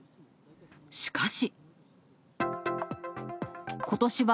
しかし。